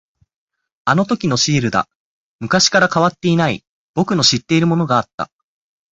あのときのシールだ。昔から変わっていない、僕の知っているものがあった。